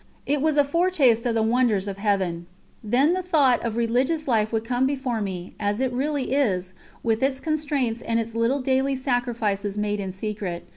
It was a foretaste of the wonders of Heaven. Then the thought of religious life would come before me, as it really is, with its constraints and its little daily sacrifices made in secret.